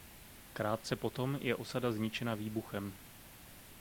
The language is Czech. Krátce potom je osada zničena výbuchem.